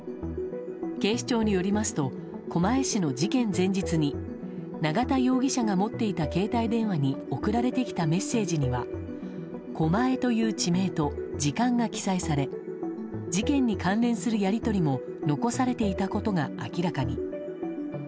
警視庁によりますと、狛江市の事件前日に、永田容疑者が持っていた携帯電話に送られてきたメッセージには「狛江」という地名と時間が記載され事件に関連するやり取りも残されていたことが明らかに。